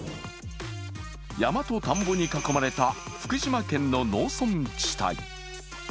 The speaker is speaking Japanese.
山と田んぼに囲まれた福島県の農村地帯。